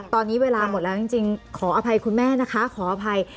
ตอนนี้เวลาหมดแล้วจริงขออภัยคุณแม่นะคะขออภัย